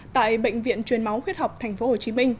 tại bệnh viện truyền máu huyết học tp hcm